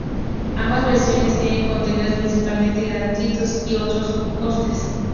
Ambas versiones tienen contenidos principalmente gratuitos y otros con costes.